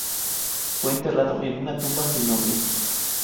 Fue enterrado en una tumba sin nombre.